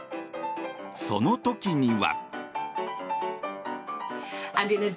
その時には。